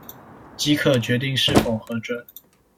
即可決定是否核准